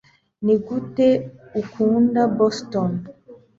nigute ukunda boston